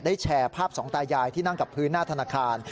แชร์ภาพสองตายายที่นั่งกับพื้นหน้าธนาคาร